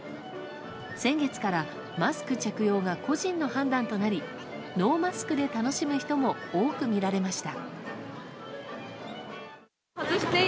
先月からマスク着用が個人の判断となりノーマスクで楽しむ人も多く見られました。